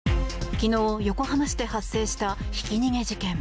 昨日、横浜市で発生したひき逃げ事件。